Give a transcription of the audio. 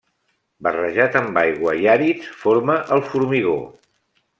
Barrejat amb aigua i àrids forma el formigó.